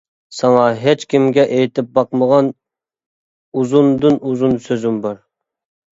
ساڭا ھېچكىمگە ئېيتىپ باقمىغان ئۇزۇندىن-ئۇزۇن سۆزۈم بار.